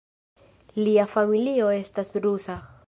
Lia familio estas rusa.